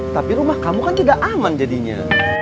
tapi rumah kamu kan tidak aman jadinya